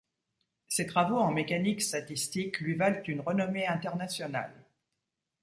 Ses travaux en mécanique statistique lui valent une renommée internationale.